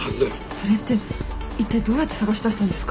それっていったいどうやって探し出したんですか？